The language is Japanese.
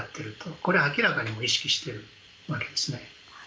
これは明らかに意識しているわけですね。